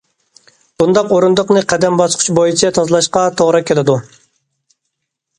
بۇنداق ئورۇندۇقنى قەدەم باسقۇچ بويىچە تازىلاشقا توغرا كېلىدۇ.